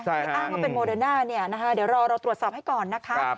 อ้างว่าเป็นโมเดน่าเดี๋ยวรอเราตรวจสอบให้ก่อนนะครับ